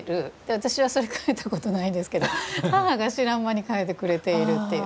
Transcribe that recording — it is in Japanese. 私はそれ替えたことないですけど母が知らん間に替えてくれているという。